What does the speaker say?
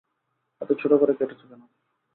এত ছোট করে কেটেছ কেন?